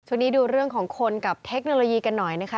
ช่วงนี้ดูเรื่องของคนกับเทคโนโลยีกันหน่อยนะคะ